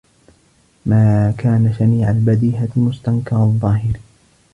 مَا كَانَ شَنِيعَ الْبَدِيهَةِ مُسْتَنْكَرَ الظَّاهِرِ